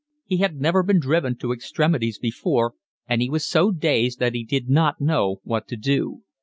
He had never been driven to extremities before, and he was so dazed that he did not know what to do.